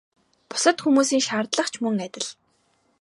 Бусад хүмүүсийн шаардлага ч мөн адил.